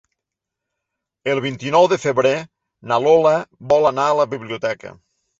El vint-i-nou de febrer na Lola vol anar a la biblioteca.